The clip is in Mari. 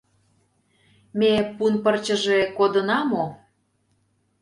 Ме, пун пырчыже, кодына мо?